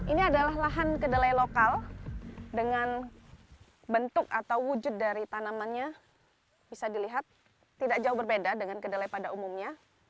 ini adalah lahan kedelai lokal dengan bentuk atau wujud dari tanamannya bisa dilihat tidak jauh berbeda dengan kedelai pada umumnya